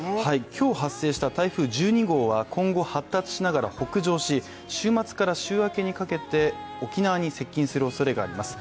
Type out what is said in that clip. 今日発生した台風１２号は今後、発達しながら北上し週末から週明けにかけて沖縄に接近するおそれがあります。